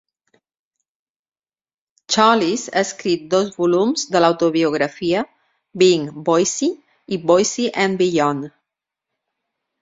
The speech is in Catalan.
Challis ha escrit dos volums de l'autobiografia: "Being Boycie" i "Boycie and Beyond".